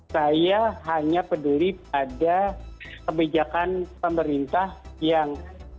saya hanya peduli pada kebijakan pemerintah yang